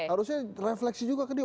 harusnya refleksi juga ke dia